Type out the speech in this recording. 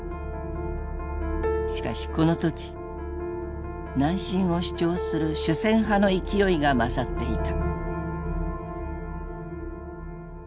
しかしこの時南進を主張する主戦派の勢いが勝っていた。